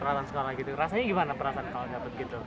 perasaan sekolah gitu rasanya gimana perasaan kalau dapat gitu